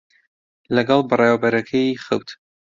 لەگەڵ بەڕێوەبەرەکەی خەوت.